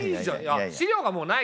あ資料がもうないか。